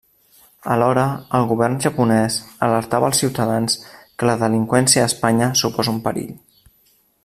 Alhora el govern japonès alertava als ciutadans que la delinqüència a Espanya suposa un perill.